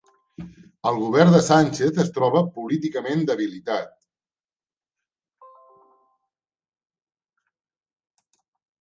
El Govern de Sánchez es troba políticament debilitat